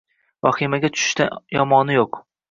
Vahimaga tushishdan yomoni yo‘q